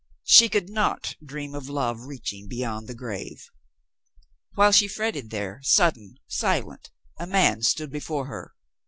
She could not dream of love reaching beyond the grave. While she fretted there, sudden, silent, a man stood before her.